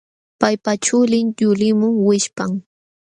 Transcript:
Paypa chulin yuliqmun wishpam.